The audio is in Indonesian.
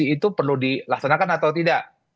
itu perlu dilaksanakan atau tidak